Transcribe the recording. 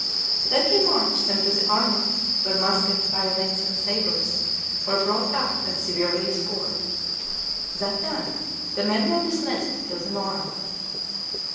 Then he marched them to the armory, where muskets, bayonets, and sabres were brought out and severely scoured. That done, the men were dismissed till the morrow.